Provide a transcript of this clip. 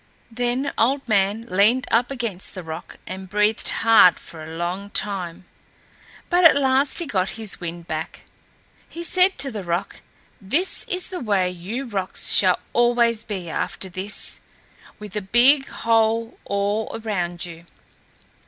Then Old Man leaned up against the rock, and breathed hard for a long time, but at last he got his wind back. He said to the rock, "This is the way you rocks shall always be after this, with a big hole all around you."